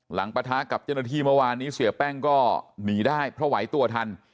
หลังปทากับเจนทีเมื่อวานนี้เสียแป้งก็หนีได้เพราะไหวตัวทัน